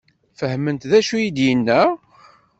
Fehment d acu i d-yenna?